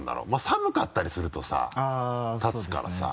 寒かったりするとさ立つからさ。